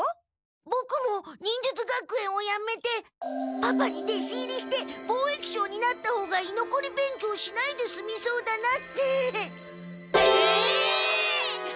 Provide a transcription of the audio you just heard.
ボクも忍術学園をやめてパパに弟子入りして貿易商になったほうがいのこり勉強しないですみそうだなって。え！？